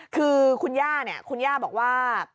คือคุณย่าเนี่ยคุณย่าบอกว่า